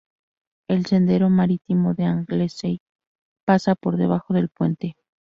El Sendero Marítimo de Anglesey pasa por debajo del puente.